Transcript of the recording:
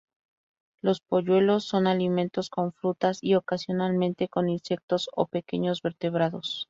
Los polluelos son alimentados con frutas y ocasionalmente con insectos o pequeños vertebrados.